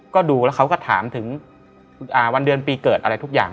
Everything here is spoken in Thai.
ก็ดูแล้วเขาก็ถามถึงวันเดือนปีเกิดอะไรทุกอย่าง